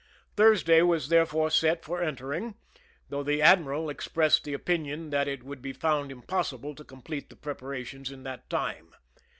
Thursday was there fore set for entering, though the admiral expressed the opinion that it would be found impossible to complete the preparations in time.